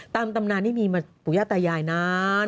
ตามตำนานที่มีมาปุญาตายายนาน